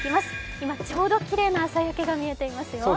今ちょうどきれいな朝焼けが見えていますよ。